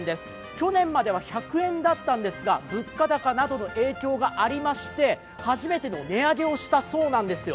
去年までは１００円だったんですが、物価高などの影響がありまして初めての値上げをしたそうなんですよ。